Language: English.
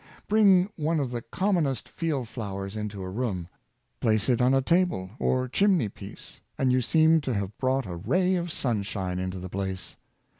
Bring one of the commonest field flowers into a room, place it on a table or chimney piece, and you seem to have brought a ra}^ of sunshine into the place.